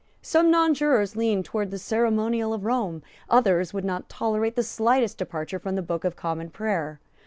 Some nonjurors leaned towards the ceremonial of Rome; others would not tolerate the slightest departure from the Book of Common Prayer.